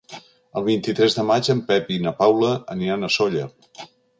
El vint-i-tres de maig en Pep i na Paula aniran a Sóller.